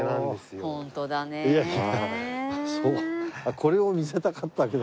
これを見せたかったわけだ。